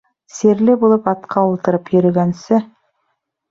Сирле булып атҡа ултырып йөрөгәнсе